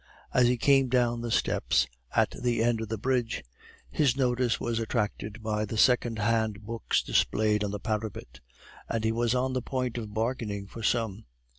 As he came down the steps at the end of the bridge, his notice was attracted by the second hand books displayed on the parapet, and he was on the point of bargaining for some.